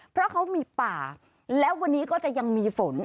เพราะเขามีป่าและวันนี้ก็จะยังมีฝน